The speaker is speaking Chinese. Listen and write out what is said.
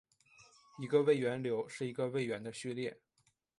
一个位元流是一个位元的序列。